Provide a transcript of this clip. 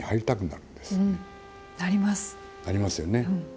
なりますよね。